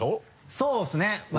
そうですね。